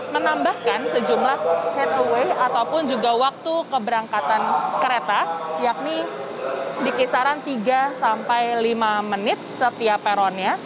menambahkan sejumlah headway ataupun juga waktu keberangkatan kereta yakni di kisaran tiga sampai lima menit setiap peronnya